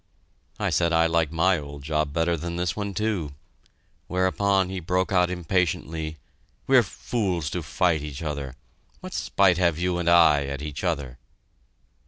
I said I liked my old job better than this one, too, whereupon he broke out impatiently, "We're fools to fight each other. What spite have you and I at each other?"